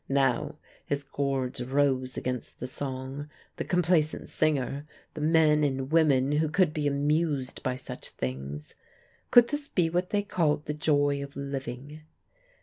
Now his gorge rose against the song, the complacent singer, the men and women who could be amused by such things. Could this be what they called the joy of living?